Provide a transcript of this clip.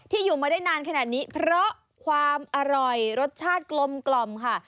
อยู่มาได้นานขนาดนี้เพราะความอร่อยรสชาติกลมกล่อมค่ะ